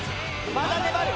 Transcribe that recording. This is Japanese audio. まだ粘る。